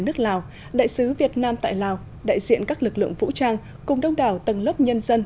nước lào đại sứ việt nam tại lào đại diện các lực lượng vũ trang cùng đông đảo tầng lớp nhân dân